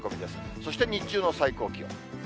そして日中の最高気温。